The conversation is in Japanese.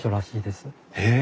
へえ！